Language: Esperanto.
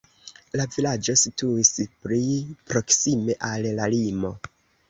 La vilaĝo situis pli proksime al la limo.